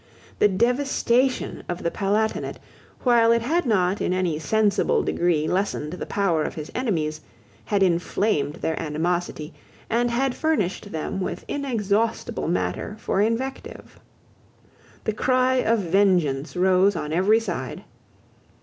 The devastation of the Palatinate, while it had not in any sensible degree lessened the power of his enemies, had inflamed their animosity, and had furnished them with inexhaustible matter for invective. The cry of vengeance rose on every side.